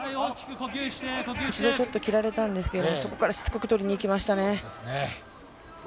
内でちょっと切られたんですけど、そこからしつこく取りにいきましたね。